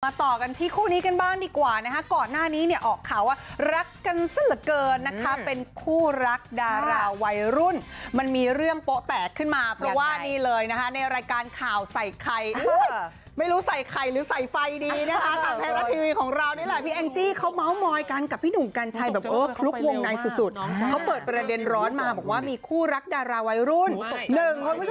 มาต่อกันที่คู่นี้กันบ้างดีกว่านะฮะก่อนหน้านี้เนี่ยออกข่าวว่ารักกันซะเหลือเกินนะคะเป็นคู่รักดาราวัยรุ่นมันมีเรื่องโปะแตกขึ้นมาเพราะว่านี่เลยนะฮะในรายการข่าวใส่ใครอุ้ยไม่รู้ใส่ใครหรือใส่ไฟดีนะฮะตามแพทย์ละทีวีของเรานี่แหละพี่แองจี้เขาเมาเมาย์กันกับพี่หนูกัญชัยแบบเออคลุกวง